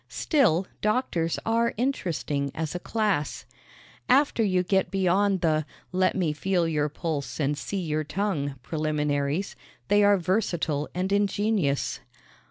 Still, doctors are interesting as a class. After you get beyond the let me feel your pulse and see your tongue preliminaries they are versatile and ingenious.